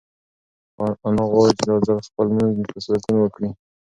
انا غواړي چې دا ځل خپل لمونځ په سکون وکړي.